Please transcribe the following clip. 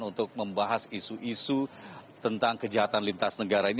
untuk membahas isu isu tentang kejahatan lintas negara ini